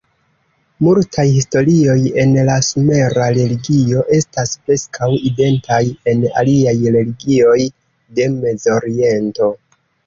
Multaj historioj en la sumera religio estas preskaŭ identaj en aliaj religioj de Mezoriento.